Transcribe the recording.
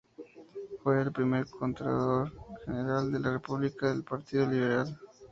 Fue el primer Contralor general de la República del Partido Liberal.